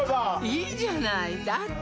いいじゃないだって